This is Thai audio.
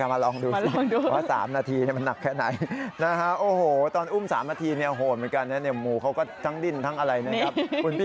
เกร็งทั้งคนทั้งหมูพี่อยู่นี่ถ้าสมมุติเราค้างอยู่ท่าน